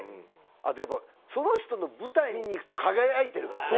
あとやっぱその人の舞台見に行くと輝いてるからね。